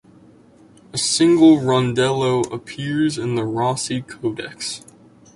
A single rondello appears in the Rossi Codex.